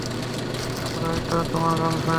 এগুলো হয়তো তোমার গার্লফ্রেন্ডের?